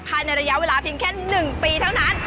ภายในระยะเวลาเพียงแค่๑ปีเท่านั้น